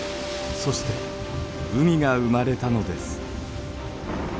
そして海が生まれたのです。